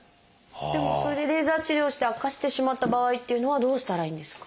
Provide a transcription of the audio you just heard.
でもそれでレーザー治療をして悪化してしまった場合っていうのはどうしたらいいんですか？